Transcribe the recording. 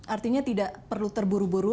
artinya tidak perlu terburu buru